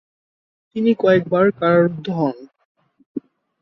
তিনি কয়েকবার কারারুদ্ধ হন।